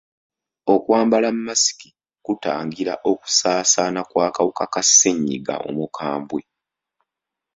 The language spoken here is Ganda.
Okwambala masiki kutangira okusaasaana kw'akawuka ka ssennyiga omukambwe?